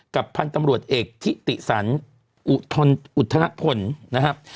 กับพันธุ์ตำรวจเอกทิติสันอุทธนพลนะครับ